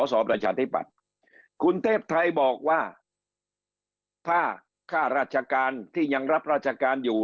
สอบประชาธิปัตย์คุณเทพไทยบอกว่าถ้าค่าราชการที่ยังรับราชการอยู่